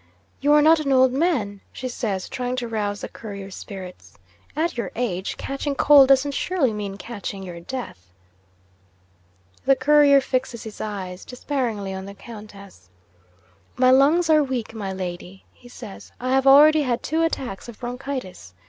"You are not an old man," she says, trying to rouse the Courier's spirits. "At your age, catching cold doesn't surely mean catching your death?" The Courier fixes his eyes despairingly on the Countess. "My lungs are weak, my Lady," he says; "I have already had two attacks of bronchitis.